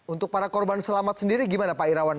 untuk para korban selamat sendiri gimana pak irawan